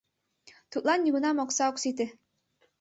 Тудлан нигунам окса ок сите...